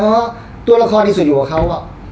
เพราะว่าตัวละครที่สุดอยู่กับเขา